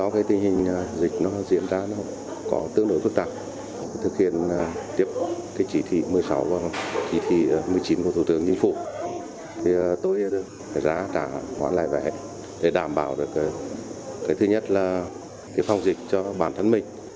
chỉ thị một mươi sáu và một mươi chín của thủ tướng chính phủ tôi đã trả khoản lại vẻ để đảm bảo được phòng dịch cho bản thân mình